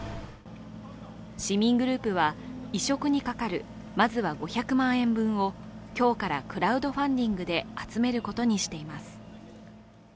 市民グループは、移植にかかるまずは５００万円分を、今日からクラウドファンウディングで集めることにしています。